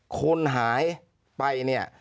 คนหายไปเนี่ย